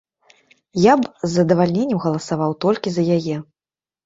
Я б з задавальненнем галасаваў толькі за яе.